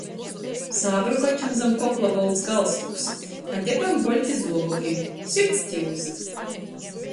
Sābru kačam zam kokla bolts galstuks, a depem bolti zuoboki. Sirds kiust!